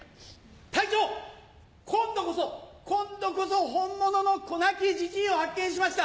隊長今度こそ今度こそ本物の子泣きじじいを発見しました。